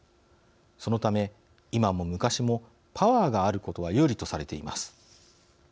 そのため、今も昔もパワーがあることは有利とされています。